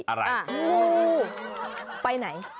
อะไรงูไปไหน